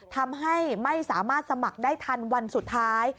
ทำให้ไม่สามารถสมัครได้ทันวันสุดท้าย